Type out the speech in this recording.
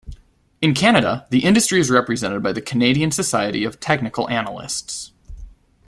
In Canada the industry is represented by the Canadian Society of Technical Analysts.